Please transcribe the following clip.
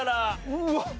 うわっ。